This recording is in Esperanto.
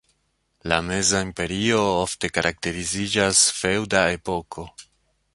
La Meza Imperio ofte karakteriziĝas "feŭda epoko".